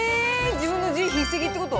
自分の字筆跡ってこと？